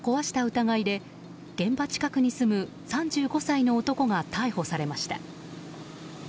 疑いで現場近くに住む３５歳の男が逮捕されました。